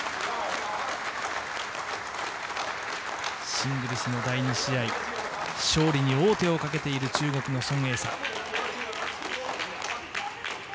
シングルスの第２試合勝利に王手をかけている中国のソン・エイサ。